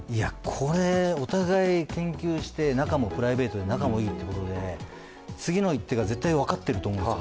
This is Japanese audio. これ、お互い研究してプライベートで仲も良いということで次の一手が絶対分かっていると思う。